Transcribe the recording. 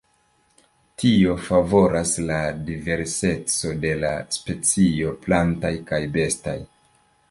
Tio favoras la diverseco de la specioj plantaj kaj bestaj.